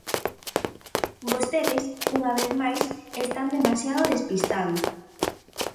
Vostedes, unha vez máis, están demasiado despistados.